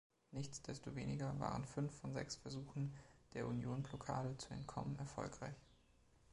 Nichtsdestoweniger waren fünf von sechs Versuchen, der Union-Blockade zu entkommen, erfolgreich.